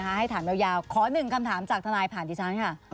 ให้ถามยาวขอหนึ่งคำถามจากทนายผ่านดิฉันค่ะ